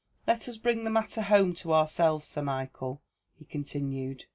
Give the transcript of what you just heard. Let us bring the matter home to ourselves, Sir Michael," he continued.